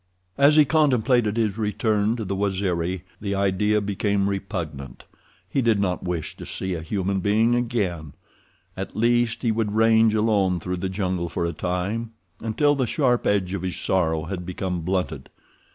As he contemplated his return to the Waziri the idea became repugnant. He did not wish to see a human being again. At least he would range alone through the jungle for a time, until the sharp edge of his sorrow had become blunted.